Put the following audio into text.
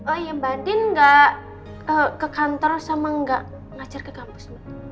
oh iya mbak andien gak ke kantor sama gak ngajar ke kampus